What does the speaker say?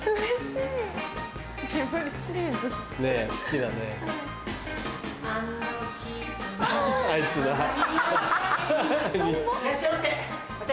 いらっしゃいませ私